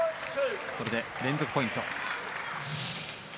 これで連続ポイント。